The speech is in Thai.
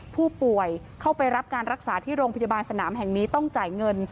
ผู้ป่วยเข้าไปรับการรักษาที่โรงพยาบาลสนามแห่งนี้ต้องจ่ายเงิน